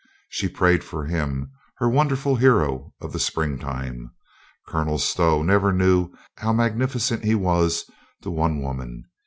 She prayed for him, her wonder ful hero of the springtime. Colonel Stow never knew how magnificent he was to one woman.